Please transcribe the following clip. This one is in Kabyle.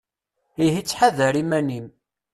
Ihi ttḥadar iman-im.